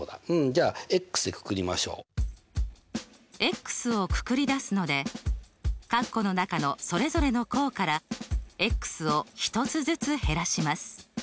じゃあでくくりましょう。をくくり出すのでカッコの中のそれぞれの項からを１つずつ減らします。